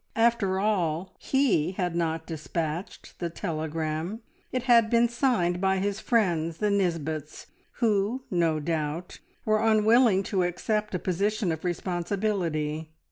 After all he had not despatched the telegram; it had been signed by his friends, the Nisbets, who, no doubt, were unwilling to accept a position of responsibility.